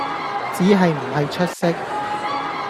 只係唔係出色